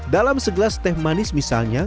dalam segelas teh manis misalnya